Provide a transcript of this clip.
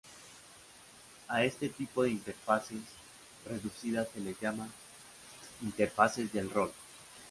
A este tipo de interfaces reducidas se les llama "interfaces de rol".